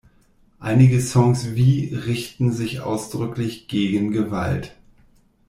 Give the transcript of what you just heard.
Einige Songs wie richten sich ausdrücklich gegen Gewalt.